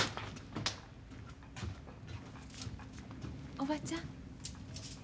おばちゃん。